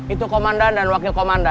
itu komandan dan wakil komandan